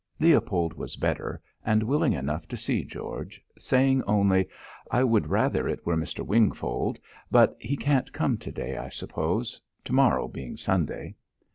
Leopold was better, and willing enough to see George, saying only, "I would rather it were Mr. Wingfold. But he can't come to day, I suppose, to morrow being Sunday."